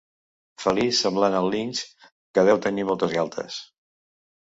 Felí semblant al linx que deu tenir moltes galtes.